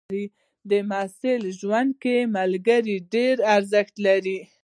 د محصل ژوند کې ملګري ډېر ارزښت لري.